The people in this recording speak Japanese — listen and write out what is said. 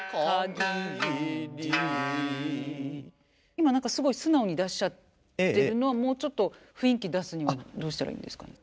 今何かすごい素直に出しちゃってるのはもうちょっと雰囲気出すにはどうしたらいいんですかね？